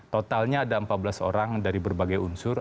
totalnya ada empat belas orang dari berbagai unsur